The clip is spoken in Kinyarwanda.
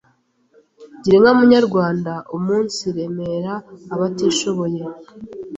Girinka Munyarwanda, Umunsiremera abatishoboye,